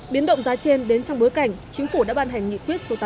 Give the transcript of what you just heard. biến động giá trên đến trong bối cảnh chính phủ đã ban hành nghị quyết số tám mươi bốn